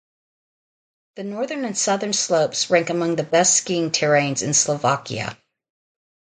The northern and southern slopes rank among the best skiing terrains in Slovakia.